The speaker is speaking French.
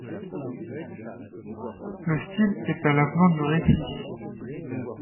Le style est à l'avenant du récit.